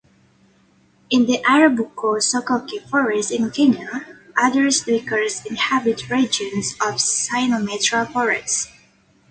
In the Arabuko-Sokoke Forest in Kenya, Aders' duikers inhabit regions of "Cyanometra" forest.